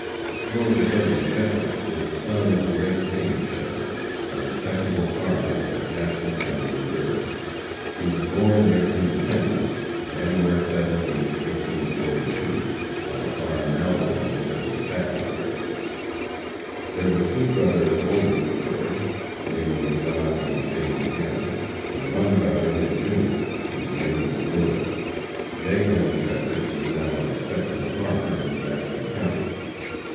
George W. Shepherd is a son of the late James Shepherd, a respectable farmer of Jackson county, Missouri. He was born near Independence, January 17th, 1842, on a farm now belonging to the Staten heirs. There were two brothers older than George, namely, John and James M., and one brother his junior, whose name was William. J. M. Shepherd is now a respectable farmer in Jackson county.